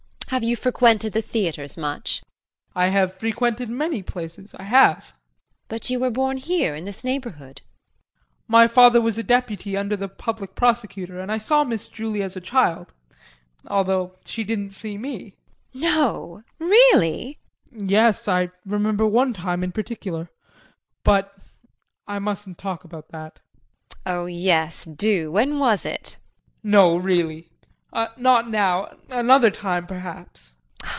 Have you frequented the theatres much? JEAN. I have frequented many places, I have! JULIE. But you were born here in this neighborhood? JEAN. My father was a deputy under the public prosecutor, and I saw Miss Julie as a child although she didn't see me! JULIE. No, really? JEAN. Yes, I remember one time in particular. But I mustn't talk about that. JULIE. Oh yes, do, when was it? JEAN. No really not now, another time perhaps.